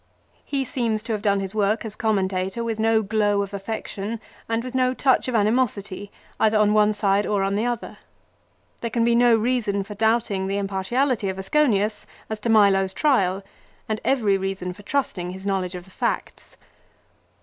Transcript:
He seems to have done his work as commentator with no glow of affection and with no touch of animosity, either on one side or on the other. There can be no reason for doubting the impartiality of Asconius as to Milo's trial, and every reason for trusting his knowledge of the facts.